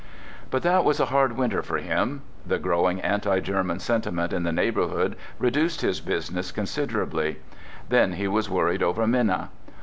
But that was a hard winter for him. The growing anti German sentiment in the neighbourhood reduced his business considerably. Then he was worried over Minna.